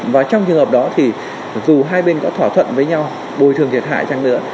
và trong trường hợp đó thì dù hai bên có thỏa thuận với nhau bồi thường thiệt hại chăng nữa